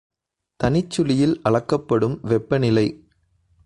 தனிச்சுழியில் அளக்கப்படும் வெப்பநிலை.